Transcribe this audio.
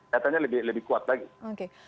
datanya lebih kuat lagi